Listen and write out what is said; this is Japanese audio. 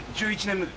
１１年目。